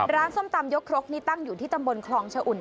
ส้มตำยกครกนี่ตั้งอยู่ที่ตำบลคลองชะอุ่น